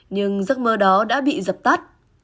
nhưng giấc mơ đó đã bị dập tắt